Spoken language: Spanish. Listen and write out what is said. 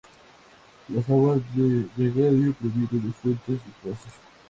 Las aguas de regadío provienen de fuentes y pozos.